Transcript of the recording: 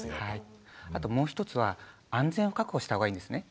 あともう一つは安全を確保した方がいいんですね。